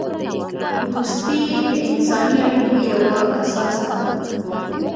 دوستی د انسانی اړیکو یوه اساس ده.